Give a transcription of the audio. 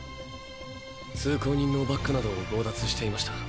通行人のバッグ等を強奪していました。